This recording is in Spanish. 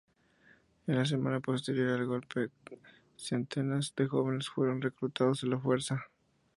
En la semana posterior al golpe, centenas de jóvenes fueron reclutados a la fuerza.